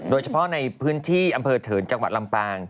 โดยเฉพาะในพื้นที่อำเภอเถินจังหวัดลำปาง